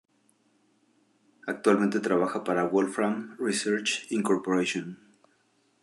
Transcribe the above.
Actualmente trabaja para Wolfram Research, Inc.